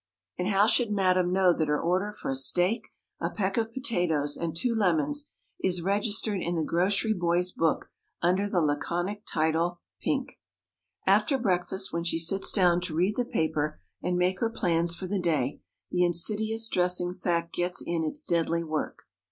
And how should madame know that her order for a steak, a peck of potatoes, and two lemons, is registered in the grocery boy's book under the laconic title, "Pink"? After breakfast, when she sits down to read the paper and make her plans for the day, the insidious dressing sack gets in its deadly work.